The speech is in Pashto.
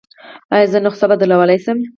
ایا زه نسخه بدلولی شم؟